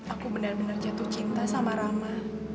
aku benar benar jatuh cinta sama rama